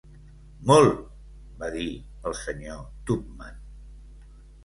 "Molt!" va dir el Sr. Tupman.